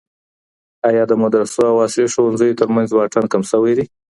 آیا د مدرسو او عصري ښوونځیو ترمنځ واټن کم سوی دی؟